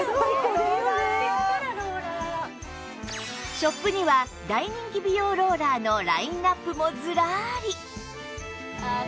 ショップには大人気美容ローラーのラインナップもズラリ